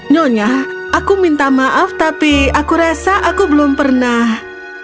nyonya aku sedang meminta maaf tetapi rasaku tidak pernah melihatnya